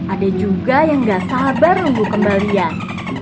ada juga yang gak sabar nunggu kembalian